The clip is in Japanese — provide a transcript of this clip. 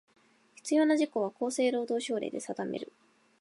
必要な事項は、厚生労働省令で定める。